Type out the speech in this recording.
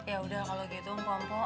yaudah kalau gitu mpo mpo